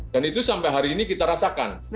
dan itu sampai hari ini kita rasakan